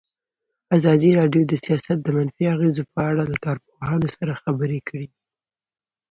ازادي راډیو د سیاست د منفي اغېزو په اړه له کارپوهانو سره خبرې کړي.